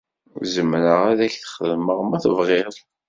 Zemreɣ ad ak-t-xedmeɣ ma tebɣiḍ.